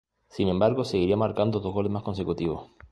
Sin embargo seguiría marcando dos goles mas consecutivos.